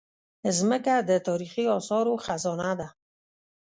مځکه د تاریخي اثارو خزانه ده.